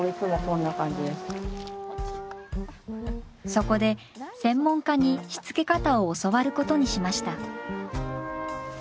そこで専門家にしつけ方を教わることにしました。